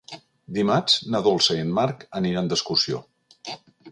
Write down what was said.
Dimarts na Dolça i en Marc aniran d'excursió.